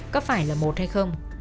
có phải là một hay không